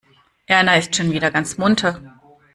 Erna ist schon wieder ganz munter.